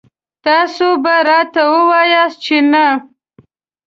تاسو به راته وواياست چې نه.